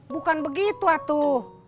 bukan begitu atuh